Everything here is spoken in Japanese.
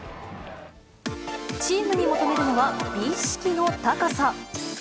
チームに求めるのは、美意識の高さ。